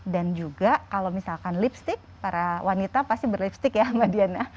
dan juga kalau misalkan lipstick para wanita pasti berlipstick ya mbak diana